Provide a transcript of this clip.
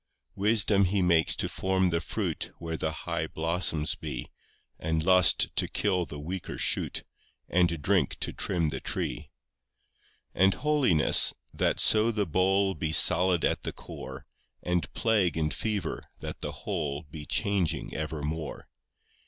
4 Wisdom He makes to form the fruit Where the high blossoms be; And Lust to kill the weaker shoot, And Drink to trim the tree. 5 And Holiness that so the bole Be solid at the core; And Plague and Fever, that the whole Be changing evermore.